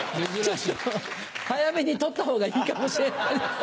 早めに取ったほうがいいかもしれないですね。